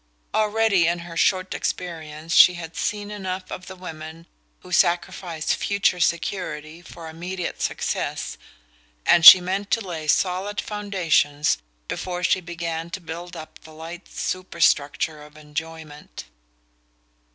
Already in her short experience she had seen enough of the women who sacrifice future security for immediate success, and she meant to lay solid foundations before she began to build up the light super structure of enjoyment.